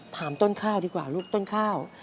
ต้นข้าวดีกว่าลูกต้นข้าว